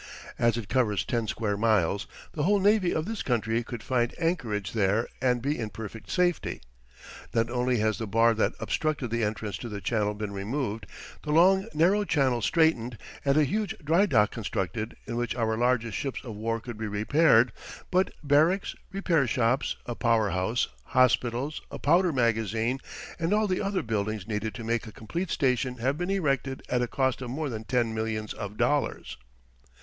As it covers ten square miles, the whole navy of this country could find anchorage there, and be in perfect safety. Not only has the bar that obstructed the entrance to the channel been removed, the long, narrow channel straightened, and a huge drydock constructed in which our largest ships of war could be repaired, but barracks, repair shops, a power house, hospitals, a powder magazine, and all the other buildings needed to make a complete station have been erected at a cost of more than ten millions of dollars.